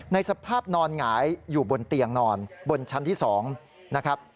สภาพนอนหงายอยู่บนเตียงนอนบนชั้นที่๒นะครับ